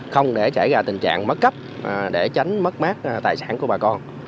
không để xảy ra tình trạng mất cấp để tránh mất mát tài sản của bà con